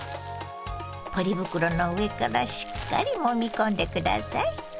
ポリ袋の上からしっかりもみ込んで下さい。